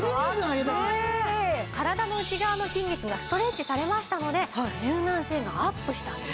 体の内側の筋肉がストレッチされましたので柔軟性がアップしたんです。